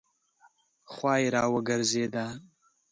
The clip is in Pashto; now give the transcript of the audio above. خوا یې راګرځېده.